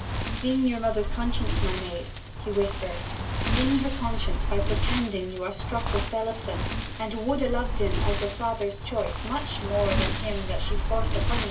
'Sting your mother's conscience, my maid!' he whispered. 'Sting her conscience by pretending you are struck with Phelipson, and would ha' loved him, as your old father's choice, much more than him she has forced upon 'ee.'